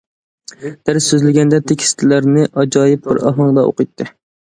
دەرس سۆزلىگەندە تېكىستلەرنى ئاجايىپ بىر ئاھاڭدا ئوقۇيتتى.